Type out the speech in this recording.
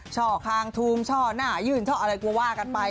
ช่อคางทูมช่อหน้ายื่นช่ออะไรก็ว่ากันไป